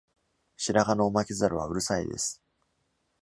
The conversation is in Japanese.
白髪のオマキザルはうるさいです。